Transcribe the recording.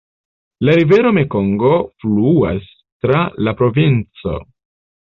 La rivero Mekongo fluas tra la provinco.